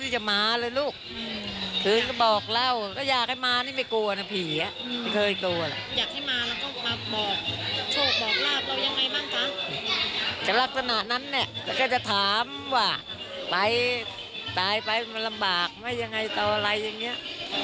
ตายไปมันลำบากไหมยังไงต่ออะไรอย่างเนี่ย